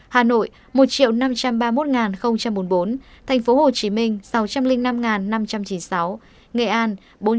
hà nội một năm trăm ba mươi một bốn mươi bốn tp hcm sáu trăm linh năm năm trăm chín mươi sáu nghệ an bốn trăm bảy mươi bốn ba trăm bảy mươi bốn